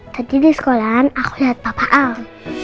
tadi di sekolahan aku lihat papa al